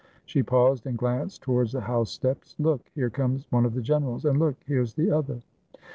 She paused and glanced towards the house steps: "Look! here comes one of the generals — and look ! here 's the other."